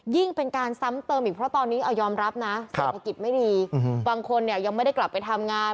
ยิ่งเป็นการซ้ำเติมอีกเพราะตอนนี้เอายอมรับนะเศรษฐกิจไม่ดีบางคนเนี่ยยังไม่ได้กลับไปทำงาน